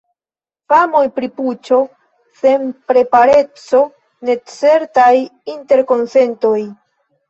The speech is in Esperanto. Famoj pri puĉo, senprepareco, necertaj interkonsentoj.